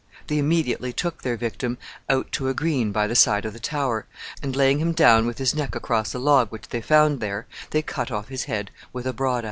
They immediately took their victim out to a green by the side of the Tower, and, laying him down with his neck across a log which they found there, they cut off his head with a broad axe.